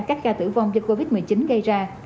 các ca tử vong do covid một mươi chín gây ra